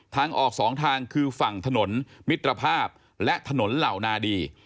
ทางออกสองทางคือฝั่งถนนมิตรภาพและถนนเหล่านาดี